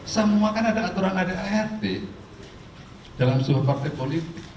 sama kan ada aturan ada art dalam sebuah partai politik